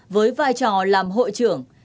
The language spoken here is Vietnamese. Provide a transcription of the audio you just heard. với vai trò làm hội trưởng